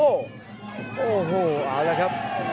โอ้โหอ้าวแล้วครับ